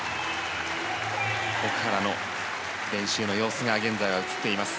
奥原の練習の様子が映っています。